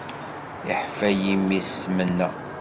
Iḥfa yimi, si tmenna.